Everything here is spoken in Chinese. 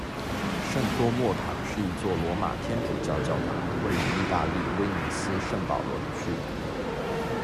圣多默堂是一座罗马天主教教堂，位于意大利威尼斯圣保罗区。